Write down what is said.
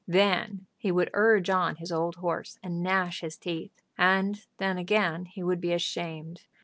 Then he would urge on his old horse, and gnash his teeth; and then, again, he would be ashamed.